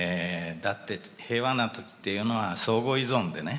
平和な時っていうのは相互依存でね